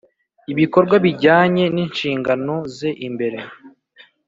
ibikorwa bijyanye n inshingano ze imbere